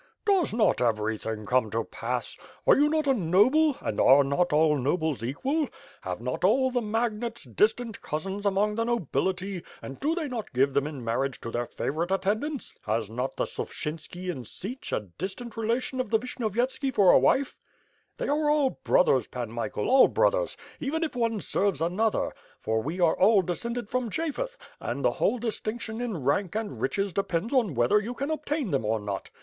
"Does not everything come to pass? Are you not a noble, and are not all nobles equal? Have not all the magnates distant cousins among the nobility, and do they not give them in marriage to their favorite attendants? Has not the Suffchynski in Siench a distant relation of the Vishnyovy etski for a wife. They are all brothers Pan Michael, all brothers, even if one serves another, for we all descended from Japhet; and the whole distinction in rank and riches depends on whether you can obtain them or not.